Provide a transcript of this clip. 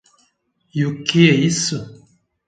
E o que é isso?